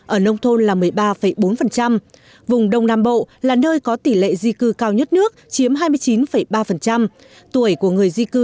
ở nông thôn là một mươi ba bốn vùng đông nam bộ là nơi có tỷ lệ di cư cao nhất nước chiếm hai mươi chín ba tuổi của người di cư